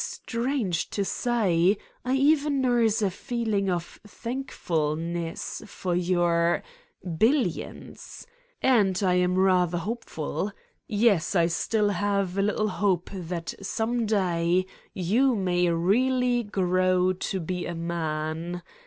Strange to say, I even nurse a feeling of thankfulness for your ... billions. And I am rather hopeful. Yes, I still have a little hope that some day you may really grow to be a man.